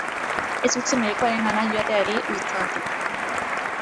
Ez utzi medikuarengana joateari lotsagatik.